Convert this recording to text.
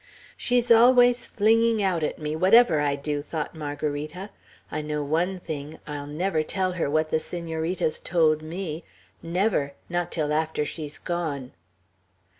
"She's always flinging out at me, whatever I do," thought Margarita. "I know one thing; I'll never tell her what the Senorita's told me; never, not till after she's gone."